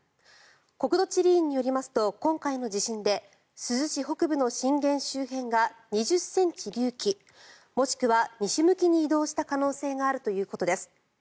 国土地理院によりますと今回の地震で珠洲市北部の震源周辺が２０ｃｍ隆起もしくは西向きに移動した可能性があるということです。